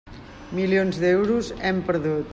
Milions d'euros, hem perdut.